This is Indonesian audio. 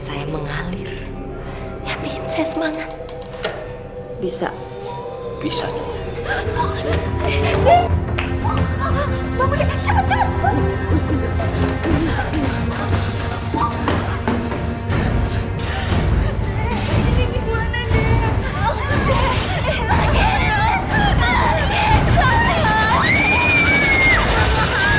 saya belum sempat memperkenalkan diri saya